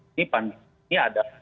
ini pandemi ada